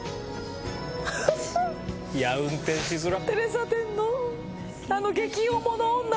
いや運転しづらっ！